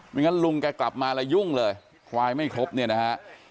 งั้นลุงแกกลับมาแล้วยุ่งเลยควายไม่ครบเนี่ยนะฮะ